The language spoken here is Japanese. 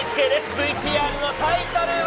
ＶＴＲのタイトルは。